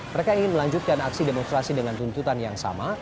mereka ingin melanjutkan aksi demonstrasi dengan tuntutan yang sama